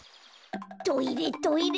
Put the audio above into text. トイレトイレ。